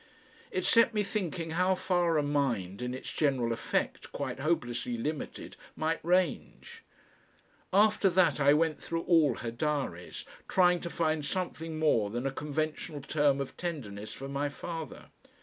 It set me thinking how far a mind in its general effect quite hopelessly limited, might range. After that I went through all her diaries, trying to find something more than a conventional term of tenderness for my father.